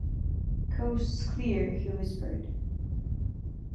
"Coast's clear," he whispered.